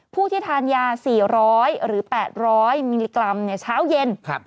ผู้ที่ทานยา๔๐๐หรือ๘๐๐มิลลิกรัมเช้าเย็น